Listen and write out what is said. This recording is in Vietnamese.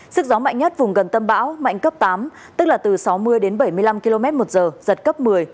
sức gió mạnh nhất vùng gần tâm bão mạnh cấp tám tức là từ sáu mươi đến bảy mươi năm km một giờ giật cấp một mươi